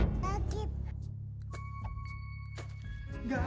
gak ada yang dia lagi